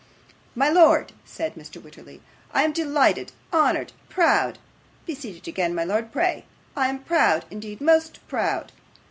'My lord,' said Mr. Wititterly, 'I am delighted honoured proud. Be seated again, my lord, pray. I am proud, indeed most proud.